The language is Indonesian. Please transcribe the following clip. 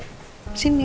iya ini di sini